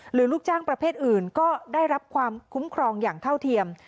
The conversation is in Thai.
ลูกจ้างประเภทอื่นก็ได้รับความคุ้มครองอย่างเท่าเทียม